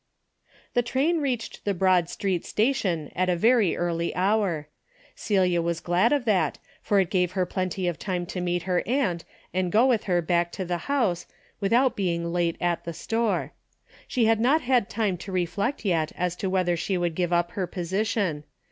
The train reached the Broad Street station 12G DAILY BATE.' at a very early hour. Celia was glad of that, for it gave her plenty of time to meet her aunt and go with her back to the house, with out being late at the store. She had not had time to reflect yet as to whether she would give up her position.